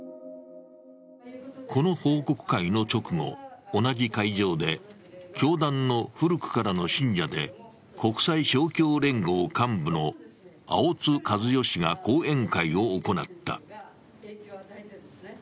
この報告会の直後、同じ会場で教団の古くからの信者で国際勝共連合幹部の青津和代氏が講演会を行った。